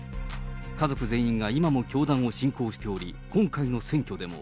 家族全員が今も教団を信仰しており、今回の選挙でも。